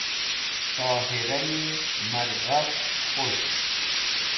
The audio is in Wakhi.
tahira'yi mar g̃hafch k̃hush